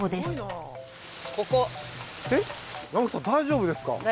大丈夫ですか？